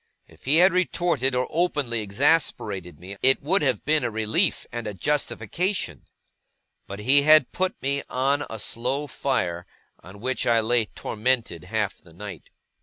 If he had retorted or openly exasperated me, it would have been a relief and a justification; but he had put me on a slow fire, on which I lay tormented half the night.